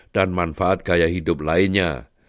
dan manfaat gaya hidup lainnya